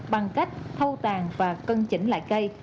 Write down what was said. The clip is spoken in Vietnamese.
bằng cách thâu tàn và cân chỉnh lại cây